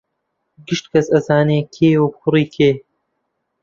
گشت کەس ئەزانێ کێیە و کوڕی کێ